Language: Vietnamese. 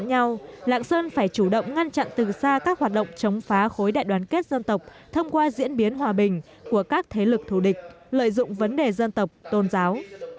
tại khu dân cư khối một mươi một phường vĩnh trại thành phố lạng sơn phải chủ động ngăn chặn từ xa các hoạt động chống phá khối đại đoàn kết dân tộc thông qua diễn biến hòa bình của các thế lực thù địch lợi dụng vấn đề dân tộc tôn giáo